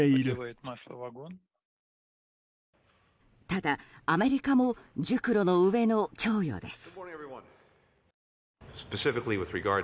ただ、アメリカも熟慮のうえの供与です。